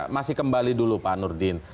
masih kembali dulu pak nurdin